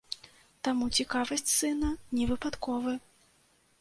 Таму цікавасць сына не выпадковы.